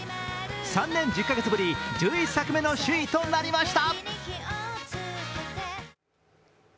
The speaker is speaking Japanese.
３年１０か月ぶり、１１作目の首位となりました。